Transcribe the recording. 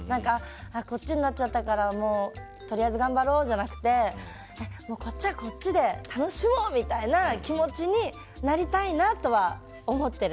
こっちになっちゃったからとりあえず頑張ろうじゃなくてこっちはこっちで楽しもうみたいな気持ちになりたいなとは思ってる。